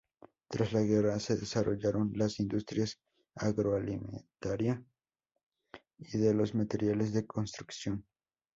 Tras la guerra se desarrollaron las industrias agroalimentaria y de los materiales de construcción.